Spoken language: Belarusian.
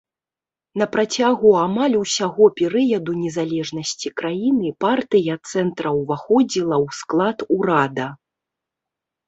На працягу амаль усяго перыяду незалежнасці краіны партыя цэнтра ўваходзіла ў склад урада.